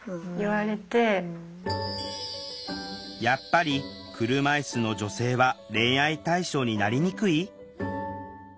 やっぱり車いすの女性は恋愛対象になりにくい？